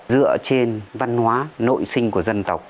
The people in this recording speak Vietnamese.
dựa trên văn hóa nội sinh của dân tộc